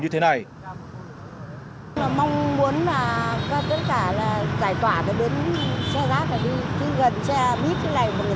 như thế này mong muốn là tất cả giải quả được đến xe rác đi khi gần xe bít thế này mà người